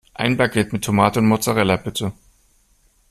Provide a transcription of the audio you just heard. Ein Baguette mit Tomate und Mozzarella, bitte!